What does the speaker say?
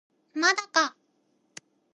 まだか